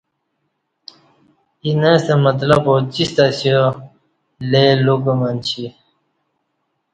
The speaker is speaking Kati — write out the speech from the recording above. اینہ ستہ مطلب اوجیستہ اسِیا لئ لُوکہ منچی